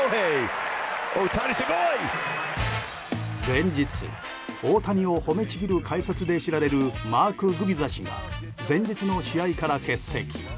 連日、大谷を褒めちぎる解説で知られるマーク・グビザ氏が前日の試合から欠席。